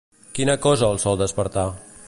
Quina cosa el sol despertar?